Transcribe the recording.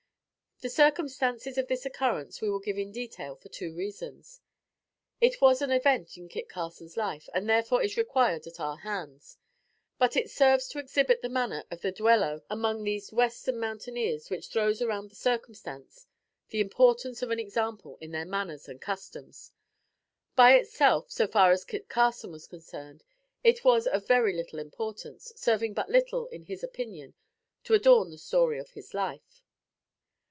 The circumstances of this occurrence we give in detail for two reasons. It was an event in Carson's life, and therefore is required at our hands; but, it serves to exhibit the manner of the duello among these western mountaineers which throws around the circumstance the importance of an example in their manners and customs. By itself, so far as Kit Carson was concerned, it was of very little importance, serving but little, in his opinion, to adorn the story of his life.